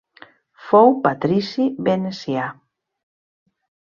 Fou patrici venecià.